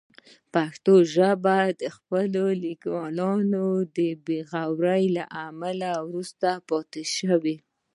پښتو ژبه د خپلو لیکوالانو د بې غورۍ له امله وروسته پاتې شوې.